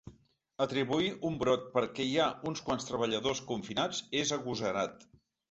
Atribuir un brot perquè hi ha uns quants treballadors confinats és agosarat.